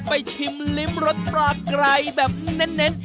ชิมลิ้มรสปลาไกรแบบเน้น